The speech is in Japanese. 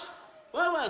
ワンワン